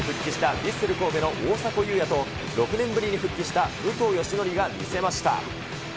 ヴィッセル神戸の大迫勇也と６年ぶりに復帰した武藤よしのりが見せました。